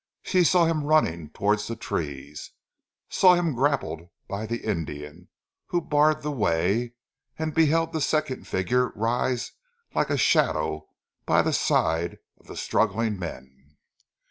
She saw him running towards the trees, saw him grappled by the Indian who barred the way, and beheld the second figure rise like a shadow by the side of the struggling men.